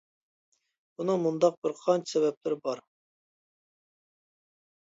بۇنىڭ مۇنداق بىر قانچە سەۋەبلىرى بار.